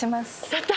やった！